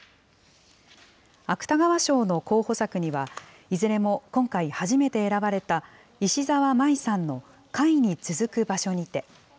芥川賞の候補作には、いずれも今回初めて選ばれた、石沢麻依さんの貝に続く場所にて。